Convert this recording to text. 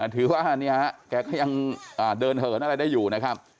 ถือว่าแกก็ยังเดินเหินอะไรได้อยู่นะครับ